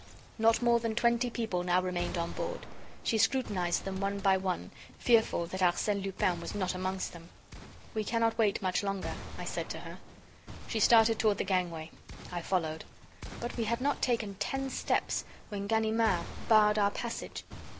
Not more than twenty people now remained on board. She scrutinized them one by one, fearful that Arsène Lupin was not amongst them. "We cannot wait much longer," I said to her. She started toward the gangway. I followed. But we had not taken ten steps when Ganimard barred our passage.